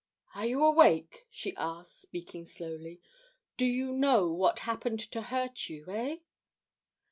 "Are you awake?" she asked, speaking slowly. "Do you know what happened to hurt you eh?"